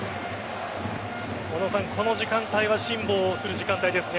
この時間帯は辛抱する時間帯ですね。